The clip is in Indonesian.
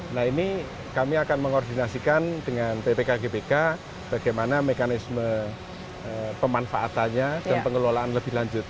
nah ini kami akan mengoordinasikan dengan ppk gbk bagaimana mekanisme pemanfaatannya dan pengelolaan lebih lanjut